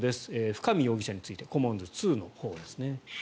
深見容疑者についてコモンズ２のほうですね。